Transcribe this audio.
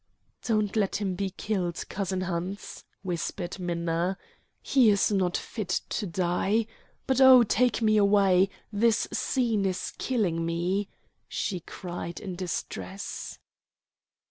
"Don't let him be killed, cousin Hans," whispered Minna. "He is not fit to die. But, oh, take me away. This scene is killing me," she cried in distress.